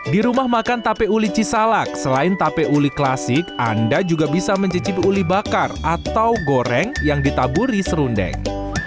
di rumah makan tape uli cisalak selain tape uli klasik anda juga bisa mencicipi uli bakar atau goreng yang ditaburi serundeng